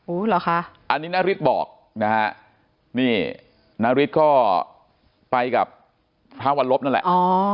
อู้หรอค่ะอันนี้นาริษย์บอกนะฮะนี่นาริษย์ก็ไปกับพระธาวรบนั่นแหละ